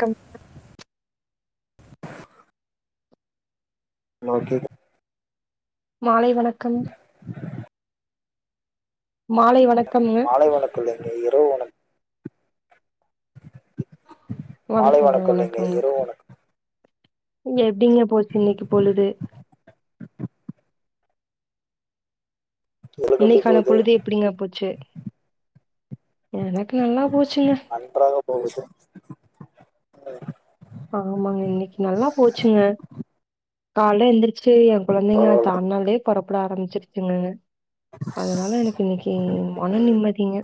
Come okay மாலை வணக்கம் மாலை வணக்கம்ங்க சொல்லுங்க இரவு வணக் மாலை வணக்கங்க வணக்கம் இல்லைங்க இரவு வணக் இங்க எப்டிங்க போச்சு இன்னைக்கு பொழுது உங்களுக்கு எப்படி இன்னைக்கான போகுது பொழுது எப்டிங்க போச்சு எனக்கு நல்லா போச்சுங்க நன்றாக போகுது ஆமாங்க இன்னைக்கு நல்லா போச்சுங்க கால்ல எந்திரிச்சு எ கொழந்தைங்க தன்னாலே பொறப்பட ஆரம்பிச்சிருச்சிங்க அதனால எனக்கு இன்னைக்கு மன ம். நிம்மதிங்க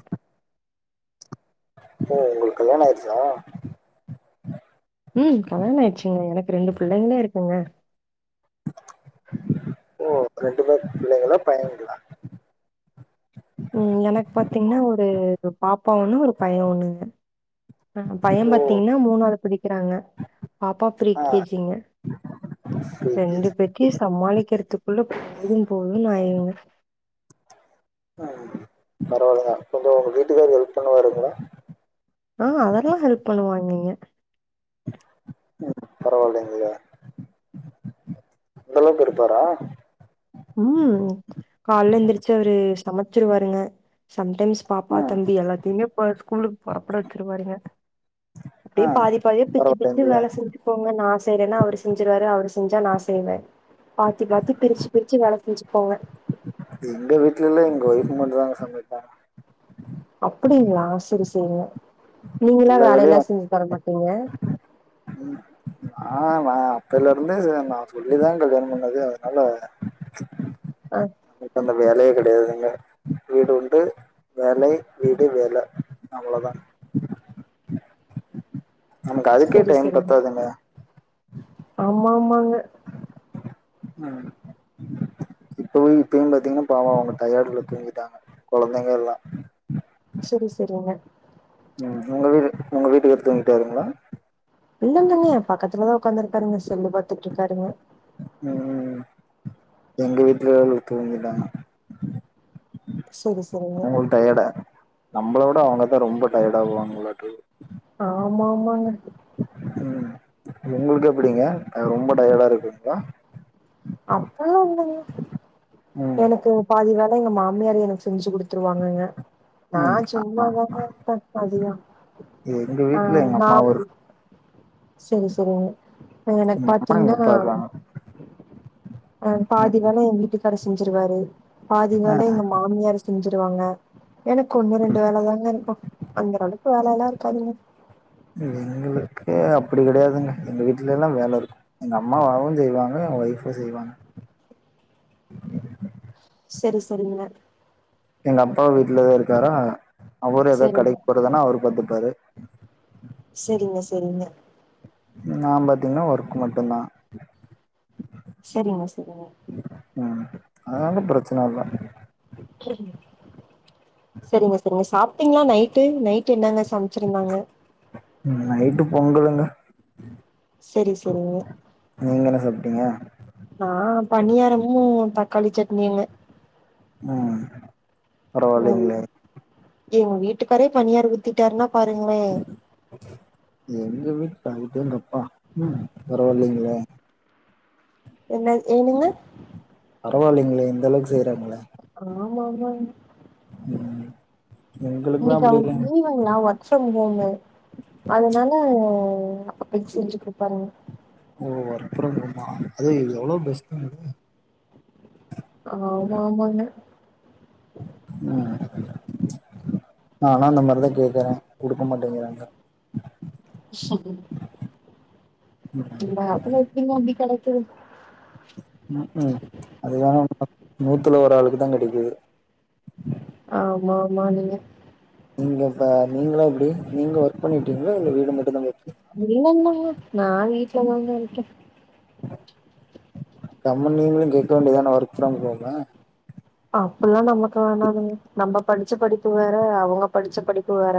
ஓ உங்களு கல்யாண ஆயிடுச்சா ம் கல்யாண ஆயிச்சுங்க எனக்கு ரெண்டு புள்ளைங்ளே இருக்குங்க ஓ ரெண்டு பேர் பிள்ளைங்களா பையன்களா ம் எனக்கு பாத்தீங்கன்னா ஒரு பாப்பா ஒன்னு ஒரு பைய ஒன்னுங்க அ பைய ஓ பாத்தீங்கன்னா மூணாது படிக்கிறாங்க பாப்பா ப்ரீ கே ஜி ங்க செரி ரெண்டு பேத்தியு சமாளிக்கறதுக்குள்ள போது போதுனு ஆயுங்க ம் பரவால்லங்க கொஞ்சொ உங்க வீட்டுக்காரு ஹெல்ப் பண்ணுவாருங்ளா அ அதெல்லா ஹெல்ப் பண்ணுவாங்கங்க ம் பரவாயில்லைங்ளே அந்த அளவுக்கு இருப்பாரா ம் கால்ல எந்திரிச்சு அவரு சமச்சிரு வாருங்க சம் டைம்ஸ் பாப்பா ம் தம்பி எல்லாத்தைமே ஸ்கூலுக்கு பொறப்பட வச்சிருவாருங்க ஆ அப்டியே பாதி பாதியா பிச்சு பிச்சு பரவாயில்லைங்களா வேல செஞ்சு ஃபோங்க நா செய்றேன்னா அவரு செஞ்சிருவாரு அவரு செஞ்சா நா செய்வ பாத்து பாத்து பிரிச்சு பிரிச்சு வேல செஞ்சுபோங்க எங்க வீட்லல்லா எங்க ஒய்ஃப் மட்டு தாங்க சமைப்பாங்க அப்டிங்ளா சரி செய்ங்க நீங்களா எல்லா வேலல்லா செஞ்சு தரமாட்டீங்க ம் ஆ நா அப்பைலருந்தே நா சொல்லிதா கல்யாணம் பண்ணது அதனால ஆ நமக்கு அந்த வேலையே கெடையாதுங்க வீடு உண்டு வெலை இது வெல அவ்ளோதா நமக்கு அதுக்கே சரி டைம் சரிங்க பத்தாதுங்க ஆமா ஆமாங்க ம் இப்பவே இப்பயு பாத்தீங்கன்னா பாவோ அவங்க டயர்டல தூங்கிட்டாங்க கொழந்தைங்க எல்லா சரி சரிங்க ம் உங்க வீடு உங்கள் வீட்டுக்கார் தூங்கிட்டாருங்களா இல்லலங்கங்க பக்கத்துலதா உக்காந்து இருக்காருங்க செல்லு பாத்துட்டு இருக்காருங்க அ அ எங்க வீட்ல தூங்கதாங்க செரி செரிங்க அவங்களுக்கு டயர்டா நம்மளோட அவங்கதா ரொம்ப டயர்ட ஆவாங்க போலட்ருக்கு ஆமா ஆமாங்க ம் ஒங்களுக்கு எப்டிங்க ரொம்ப டயர்டா இருக்குங்ளா அப்பள்ளா ஒன்னு இல்ல ம் எனக்கு பாதி வேல எங்க மாமியாரு எனக்கு செஞ்சு குடுத்துருவாங்கங்க நா ம் ஆமாம் சும்மாதாங்க இருப்ப எங்கள் வீட்டில் எங்கள் ம ஆ அம்மாவும் இருக்கு சேரி சேரிங்க எனக்கு எங்கள் அம்மா பாத்தீங்கன்னா எங்கள் அப்பா இருக்காங்க அ பாதி வேல எங் வீட்டுகார் செஞ்சிருவாரு பாதி ஆ வேல எங்க மாமியாரு செஞ்சிருவாங்க எனக்கு ஒண்ணு ரெண்டு வேல தாங்க இருக்கு அந்தர அளவுக்கு வேலஊ எல்லா இருக்காதுங்க எங்களுக்கு அப்டி கடையாதுங்க எங்க வீட்லல்லா வேல இருக்கு எங்க அம்மாவாவு செய்வாங்க என் ஒய்ஃபு செய்வாங்க சேரி சேரிங்க எங்க அப்பாவு வீட்ல தா இருக்காரா அவரு எதா சரிங்க. கடைக்கு போறதுன்னா அவரு பாத்துப்பாரு செரிங்க செரிங்க நா பாத்தீங்கன்னா ஒர்க்கு மட்டு தா செரிங்க செரிங்க ம் அதாங்க பிரச்சன இல்ல செரிங்க செரிங்க செரிங்க சாப்ட்டீங்ளா நைட்டு நைட்டு என்னங்க சம ச்சிருந்தாங்க ம் நைட்டு பொங்கலுங்க செரி செரிங்க நீங்க என்ன சாப்ட்டீங்க நா பனியாரமு தக்காளி சட்னியுங்க ம் ம் பரவால்லைங்களே எங்க வீட்டுக்காரே பனியார் ஊத்திட்டாருன்னா பாருங்ளே எங்க வீட்டு அடேங்கப்பா ம் பரவாயில்லைங்ளே என்ன ஏனுங்க பரவாயில்லைங்ளே இந்த அளவுக்கு செய்யறாங்களே ஆமா ஆமா ம் எங்களுக்கெல்லா இன்னைக்கு அப்டி அவுருக்கு இல்லைங்க லீவ் நா வொர்க் ஃப்ரம் ஹோமு அதனால அப்ப செஞ்சக்குடுப்பாங்க ஓ வொர்க் ஃப்ரம் ஹோமா அது இது எவ்ளோ பெஸ்ட்டு தான்ங்க ஆமா ஆமாங்க ம் நாலா அந்த மாரிதா கேக்குற குடுக்க மாட்டேங்கிறாங்க ம் இந்த காலத்துல எப்டிக அம்டி கெடைக்குது ம் ம் அது வேன நூத்துல ஒரு ஆளுக்கு தா கெடைக்குது ஆமா ஆமா நீங்க நீங்க இப்ப நீங்களா எப்டி நீங்க ஒர்க் பண்ணிட்டீங்கள இல்ல வீடு மட்டும் தான் போய் இல்ல இல்லங்க நா வீட்லதாங்க இருக்கே கம்முன் நீங்களு கேட்க வேண்டியதானே ஒர்க் ஃப்ரம் கோமு அப்புட்லா நமக்கு வேணாதுங்க நம்ம படிச்ச படிப்பு வேற அவங்க படிச்ச படிப்பு வேற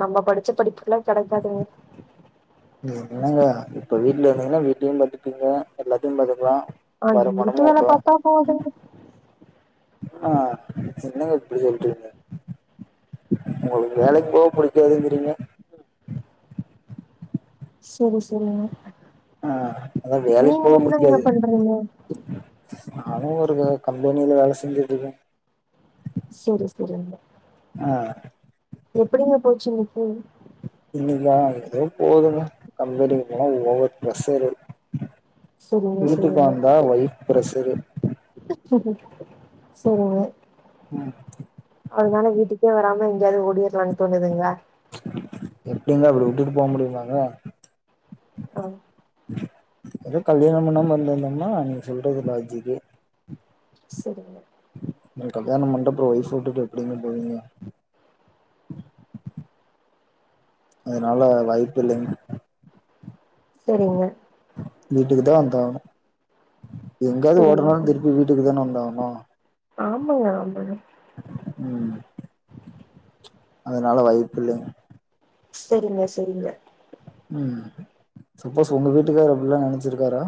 நம்ம படிச்ச படிப்புக்லா கெடைக்காதுங்க என்னங்க இப்ப வீட்ல இருந்தீங்னா வீட்டையு பாத்துப்பீங்க எல்லாத்தையு பாத்துக்லா ஆ வர பணமு வீட்டு வேல அதா பாத்தா போதுங்க ஆ என்னங்க இப்டி சொல்றீங்க ஒங்களுக் வேலைக் போக புடிக்காதுங்குறீங்க செரி செரிங்க ஆ அதா வேலைக் நீங்க போக என்னங்க புடிக்காது பண்றீங்க? நானு ஒருக கம்பெனியில வேல செஞ்சிட்ருக்கே செரி செரிங்க ஆ எப்படிங்க போச்சின்னைக்கி இன்னைக்கா ஏதோ போகுதுங்க கம்பெனிக் போனா ஓவர் பிரஷரு சரிங்க வீட்டுக்கு வந்தா ஒய்ஃப் பிரஷரு சொல்லுங்க ம் அதுனால வீட்டுக்கே வராம எங்கயாது ஓடிறலானு தோணுதுங்ளா எப்டிங்க அப்புடி விட்டுட்டு போ முடியுங்ளாங்க ஆ ஏதோ கல்யாணம் பண்ணாம இருந்துர்ந்தம்னா நீங்க சொல்றது லாஜிக்கு செரிங்க நீங்க கல்யாணம் பண்ட்டு அப்றோ ஓய்ஃப விட்டுட்டு எப்டிங்க போவீங்க அதுனால வாய்ப்பில்லைங்க செரிங்க வீட்டுக்குத்தா வந்தாகனூ எங்காவது சரிங்க ஓடுனாலு சரிங்க. திருப்பி வீ ட்டுக்கு தான வந்தாகனூ ஆமாங்க ஆமாங்க ம் அதுனால வாய்ப்பில்லைங் செரிங்க செரிங்க ம் சப்போஸ் உங்க வீட்டுக்கார் அப்பிட்லா நெனச்சிருக்காரா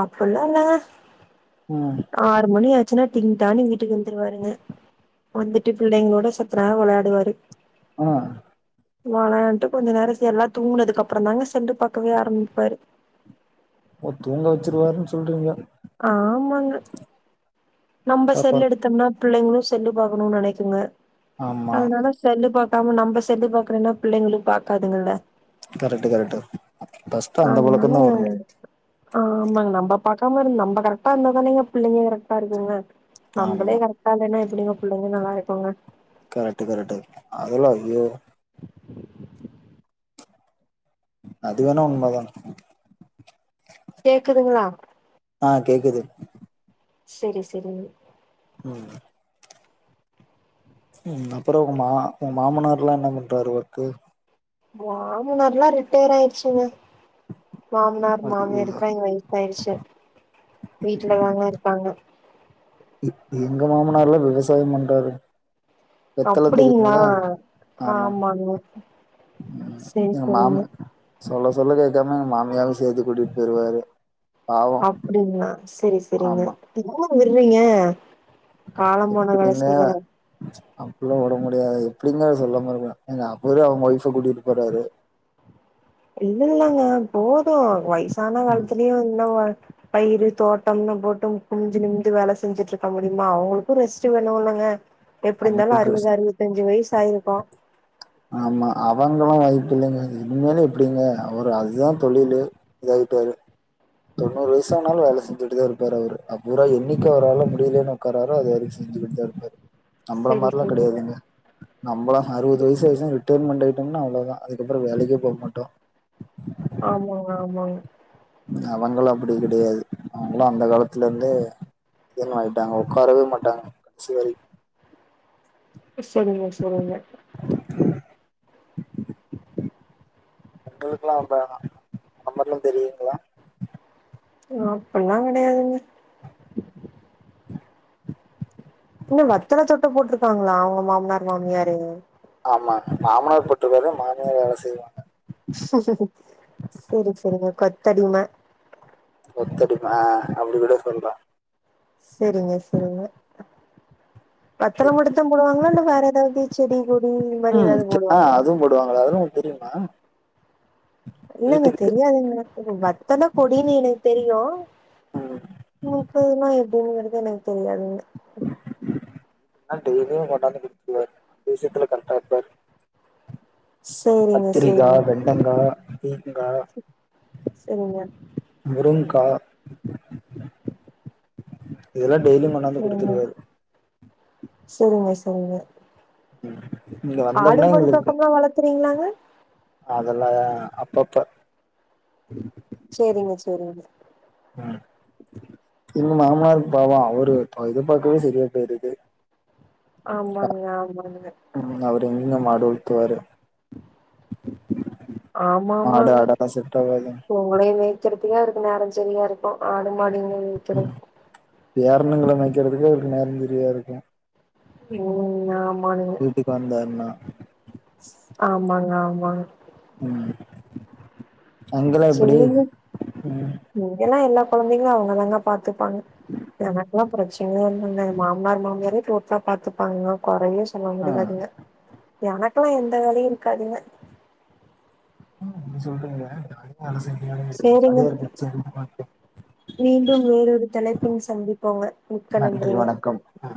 அப்பிட்லா இல்லங்க ஆ ஆறு மணி ஆச்சினா டிங் டானு வீட்டுக்கு வந்துருவாருங்க வந்துட்டு பிள்ளைங்களோட சத்த நேரோ விளையாடுவாரு ஆ வெளயான்ட்டு கொஞ்ச நேரோசி எல்லா தூங்குனதுக்கப்றோந்தாங்க சென்டு பாக்கவே ஆரம்பிப்பாரு ஓ தூங்க வச்சிருவாருன் சொல்றீங்க ஆமாங்க நம்ப செல் பரவால்ல எடுத்தம்னா பிள்ளைங்களு செல்லு பாக்கணூ நெனைக்குங்க ஆமா அதனால செல்லு பாக்காம நம்ப செல்லு பாக்கலைனா பிள்ளைங்களு பாக்காதுங்கல கரட்டு கரட்டு ஃபர்ஸ்ட்டு அந்த அதனால பழக்கொந்தா வரனு ஆமாங்க நம்ப பாக்காம இருந் நம்ம கரக்டா இருந்தா தானைங்க பிள்ளைங்க கரக்டா இருக்குங்க நம்பளே ஆமா கரெக்டா இல்லைனா எப்டிங்க புள்ளைங்க நல்லாரு இருக்குங்க கரெட்டு கரெட்டு அதுலா வியூ அது வேணா உண்மதா கேக்குதுங்களா அ கேக்குது செரி செரிங்க ம் ம் அப்புறோ ஒ மா ஓ மாமனார்லா என்ன பண்றாரு ஒர்க்கு மாமனார்லா ரிட்டையராய்ச்சுங்க மாம்னார் மாமியார் இப்ப எங்க பெயிர்ச்சி வீட்ல தாங்க இருப்பாங்க எங்க மாமனாருல்லா விவசாயம் பண்றாருங் அப்புடிங்ளா ஆமா ஆமாங்க சேரி எங்க செரிங்க மாம சொல்ல சொல்ல கேக்காம எங்க மாமியாவு சேத்து கூட்டிட் பேயிருவாரு அப்டிங்களா செரி செரிங்க ஆமா எவ்ளோ விடுறீங்க காலம் போன எப்பிடின்ன கடைசில அப்பல்லா ஒடம்பு முடியாது எப்டிங்க சொல்லாமா இருப்பாங்க ஏங்க அப்பவே அவுங்க ஒயிஃப கூட்டிட்டு போறாரு இல்லில்லங்க போது வயசான ம், காலத்துலயு இந்த வ பயிரு தோட்டம்னு போட்டு குனிஞ்சி நிமி்ந்து வேல செஞ்சுட்ருக்க முடியுமா அவுங்குளுக்கு ரெஸ்ட்டு வேணுல்லங்க எப்டிந்தாலு அவங்களுக்கு அறுவது அறுவத்தஞ்சு வயசாயிருக்கு ஆமா அவங்களு வாய்ப்பில்லிங்க இனிமேல் எப்பிடிங்க அவரு அதா தொழிலு இதாயிட்டாரு தொண்ணூறு வயசானாலு வேல செஞ்சுட்டுதா இருப்பாரு அவுரு அப்புறா என்னிக்கு அவுராள முடியலேனு ஒக்காரரோ அது வரைக்கு செஞ்சுகிட்டுதா இரு நம்பள செரி மார்ல்லா செரிங்க கெடையாதுங்க நம்பளா அறுவது வயசாயிச்சுனா ரிட்டையர்மெண்ட் ஆயிட்டம்னா அவ்ளோதா அதுக்கப்றோ வேலக்கே போமாட்டோ ஆமாங்க ஆமாங்க அவங்கள்ளா அப்டி கெடையாது அவுங்களா அந்த காலத்துலந்தே இ [unintelligible] ஆயிட்டாங்க ஒக்காரவே மாட்டாங்க கடைசி வரை செரிங்க செரிங்க எங்களுக்லா [unintelligible] அந்த [unintelligible] தெரியுங்களா அப்டல்லா கெடையாதுங்க என்ன வெத்தல தோட்ட போட்டிருக்காங்களா அவுங்க மாம்னார் மாமியாரு ஆமா மாமனார் போட்டுருக்காரு மாமியார் வேல செய்வாங்க செரி செரிங்க கொத்தடிம கொத்தடிம அ அப்டி கூட சொல்லா செரிங்க செரிங்க வத்தல மட்டுந்தா போடுவாங்களா இல்ல வேற ஏதாது செடி கொடி இந்த மாரி ஏதாது போடுவாங்களா சோ அதல்லா ஒங்ளுக்கு தெரிமா இல்லங்க தெரியாதுங்க வத்தல கொடினு எனக்கு தெரியு ம் முப்பயிர்னா எப்டின்ங்கிறது எனக்கு தெரியாதுங்க டெய்லியு கொண்டாந்து குடுத்துருவாரு அந்த விஷயத்துல கரட்டா இருப்பாரு சேரிங்க கத்திரிக்கா சேரிங்க வெண்டக்கா பீக்கங்கா சரிங்க முருங்க்கா இதெல்லா டெய்லியு கொண் சரிங்க சரிங்க சரிங்க இங்க வா ஆடு மாடு பக்கம்லான் வளத்துறீங்களாங்க அதல்லாம் அப்பப்ப சேரிங்க சேரிங்க எங்கு மாமனருக்கு பாவோ அவரு இதுபாக்கவே சரியா பேய்ருது ஆமாங்க ஆமாங்க ம் அவரு எங்கங்க மாடு உல்த்துவாரு ஆட ஆட செட் ஆகாது உங்களைய மேய்க்கறதுக்கே அவதுக்கு நேரம் சரியா இருக்கும் ஆடு மாடுங் எங்க ம் பேரன்னுங்களை மேக்கிறதுக்கு அவருக்கு நேரம் சரியா இருக்கும் ம் ஆம் வீட்டுக்கு வந்தாருன்னா ஆமாங்க ஆமாங்க ம் அங்கெல்லா எப்டி? சேரிங்க ம் இங்கெல்லாம் எல்லா குழந்தைங்களும் அவங்கதாங்க பாத்துப்பாங்க எனக்கெல்லாம் பிரச்சனையே இல்லைங்க மாமனார் மாமியாரே பொருப்பா பாத்துப்பாங்க குறையே சொல்ல ஆ முடியாதுங்க எனக்கெல்லா எந்த வேலையும் இருக்காதுங்க உ இப்டி சொல்றீங்க யாருக்கும் வேலை செய்ய முடியாது சேரிங்க அதுவே மிச்ச வேலையும் பாக்கும் மீண்டும் வேறொரு தலைப்பில் சந்திப்போங்க மிக்க நன்றிங்க ஆ